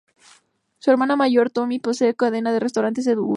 Su hermana mayor, Toni, posee una cadena de restaurantes en Utah.